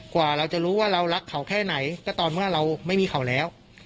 กว่าเราจะรู้ว่าเรารักเขาแค่ไหนก็ตอนเมื่อเราไม่มีเขาแล้ว